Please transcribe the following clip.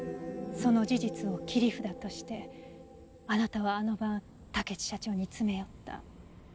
その事実を切り札としてあなたはあの晩竹地社長に詰め寄った。